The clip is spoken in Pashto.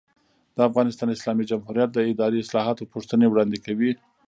د افغانستان اسلامي جمهوریت د اداري اصلاحاتو پوښتنې وړاندې کوي.